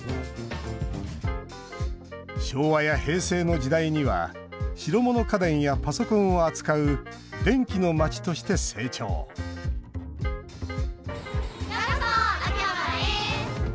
昭和や平成の時代には白物家電やパソコンを扱う電気の街として成長ようこそ、秋葉原へ！